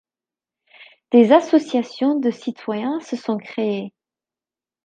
Des associations de citoyens se sont créées.